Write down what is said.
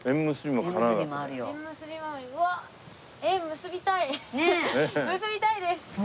結びたいです！